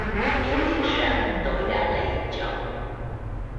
Nếu biết rằng tôi đã lấy chồng